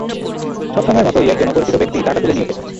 সবসময়ের মতোই, একজন অপরিচিত ব্যক্তি টাকা তুলে নিয়েছে।